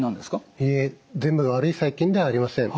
いいえ全部が悪い細菌ではありません。